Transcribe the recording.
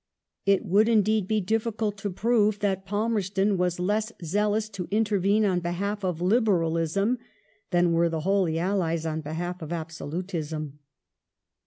It would indeed be diffi jcult to prove that Palmerston was less zealous to intervene on j behalf of Liberalism than were the Holy Allies on behalf of absolutism.